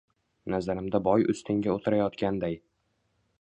Nazarimda boy ustingga o‘tirayotganday